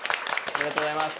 ありがとうございます！